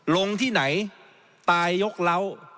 ลงที่ไหนตายยกเล้า